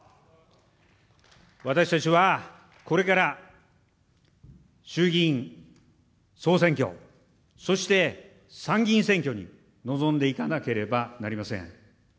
私たちはこれから、衆議院総選挙、そして、参議院選挙に臨んでいかなければなりません。